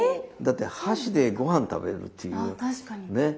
だって箸でごはん食べるっていうね。